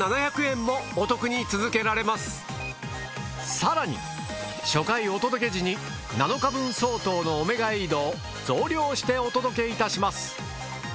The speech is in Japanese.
更に初回お届け時に７日分相当のオメガエイドを増量してお届けいたします。